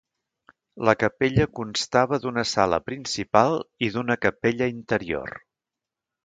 La capella constava d'una sala principal i d'una capella interior.